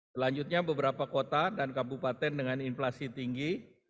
selanjutnya beberapa kota dan kabupaten dengan inflasi tinggi